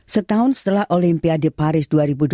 setahun setelah olimpiade paris dua ribu dua puluh